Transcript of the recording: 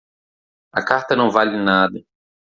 A carta não vale nada.